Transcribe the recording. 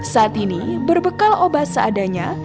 saat ini berbekal obat seadanya